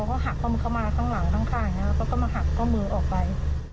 เขาหักข้อมือเข้ามาข้างหลังทั้งข้างเขาก็มาหักข้อมือออกไป